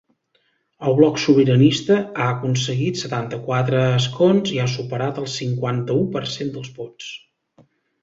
El bloc sobiranista ha aconseguit setanta-quatre escons i ha superat el cinquanta-u per cent dels vots.